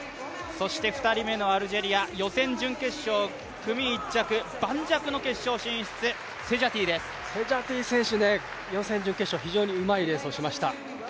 そして２人目のアルジェリア予選、準決勝、組１着、盤石の決勝進出セジャティ選手予選、準決勝と非常にうまいレースをしました。